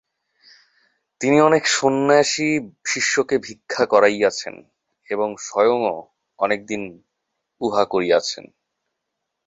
তিনি অনেক সন্ন্যাসী-শিষ্যকে ভিক্ষা করাইয়াছেন এবং স্বয়ংও অনেক দিন উহা করিয়াছেন।